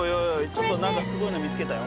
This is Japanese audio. ちょっとなんかすごいの見つけたよ。